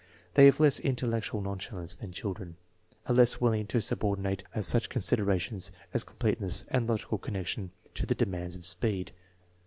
They have less " intellectual nonchalance " than children, are less willing to subordinate such considerations as complete ness and logical connection to the demands of speed.